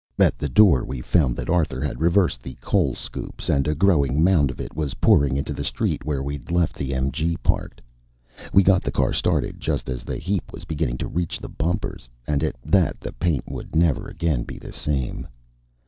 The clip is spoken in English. At the door, we found that Arthur had reversed the coal scoops and a growing mound of it was pouring into the street where we'd left the MG parked. We got the car started just as the heap was beginning to reach the bumpers, and at that the paint would never again be the same.